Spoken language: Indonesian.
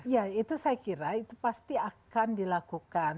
ya itu saya kira itu pasti akan dilakukan